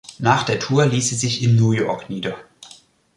Nach der Tour ließ sie sich in New York nieder.